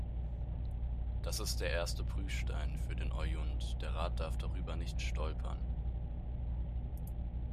Das ist der erste Prüfstein für den Euund der Rat darf darüber nicht stolpern!